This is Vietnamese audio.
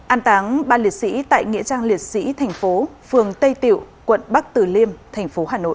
an tán ba liệt sĩ tại nghĩa trang liệt sĩ tp phường tây tiểu quận bắc từ liêm tp hà nội